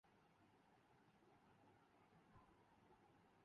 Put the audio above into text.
FIFA World Cup دفاعی champion Germany پہلے round سے ہی باہر